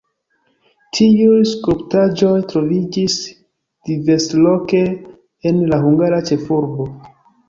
Tiuj skulptaĵoj troviĝis diversloke en la hungara ĉefurbo.